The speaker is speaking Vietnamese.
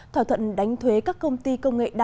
thỏa thuận đánh thuế các công ty công nghệ đa